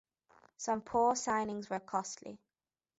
Some poor signings were costly.